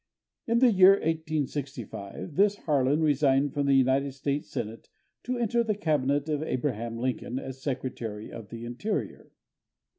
In the year 1865 this Harlan resigned from the United States Senate to enter the cabinet of Abraham Lincoln as Secretary of the Interior.